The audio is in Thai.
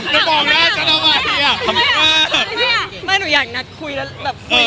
ในความทำความขอความใช่